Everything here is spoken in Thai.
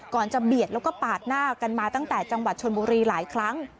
จะเบียดแล้วก็ปาดหน้ากันมาตั้งแต่จังหวัดชนบุรีหลายครั้ง